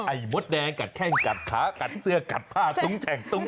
ไอ้มดแดงกะแข้งกัดขากัดเสื้อกัดผ้าตรงแช่ง